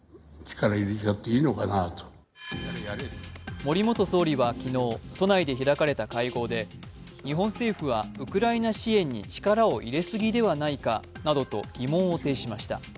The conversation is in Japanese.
森元総理は昨日、都内で開かれた会合で日本政府はウクライナ支援に力を入れすぎではないかなどと疑問を呈しました。